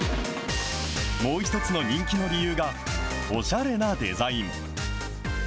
もう一つの人気の理由が、おしゃれなデザイン。